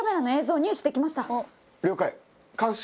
了解。